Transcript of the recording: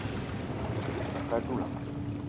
A kə á dula